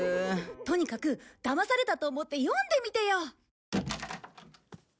とにかくだまされたと思って読んでみてよ！